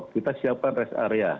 kita siapkan rest area